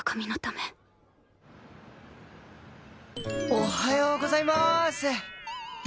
おはようございます！